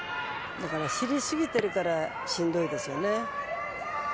だから、知り過ぎてるから、しんどいですよね。